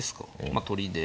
まあ取りで。